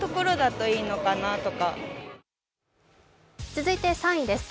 続いて３位です。